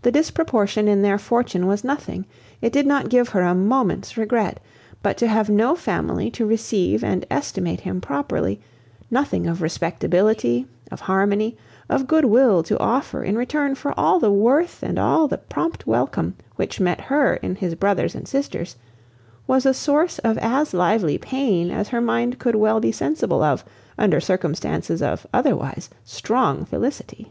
The disproportion in their fortune was nothing; it did not give her a moment's regret; but to have no family to receive and estimate him properly, nothing of respectability, of harmony, of good will to offer in return for all the worth and all the prompt welcome which met her in his brothers and sisters, was a source of as lively pain as her mind could well be sensible of under circumstances of otherwise strong felicity.